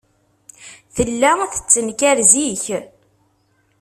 Tella tettenkar zik.